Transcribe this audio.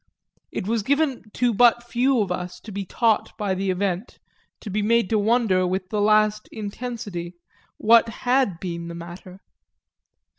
It was given to but few of us to be taught by the event, to be made to wonder with the last intensity what had been the matter.